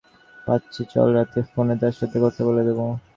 কারো পায়ের আওয়াজ শুনতে পাচ্ছি, চল রাতে ফোনে তার সাথে কথা বলে নেব।